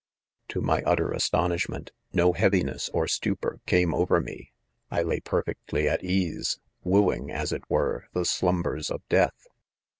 & To my utter astonishment, no heaviness 01 stupor came over me. . I lay perfectly at ease, wooing, as it were, the slumbers of death.